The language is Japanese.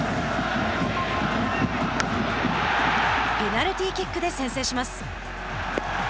ペナルティーキックで先制します。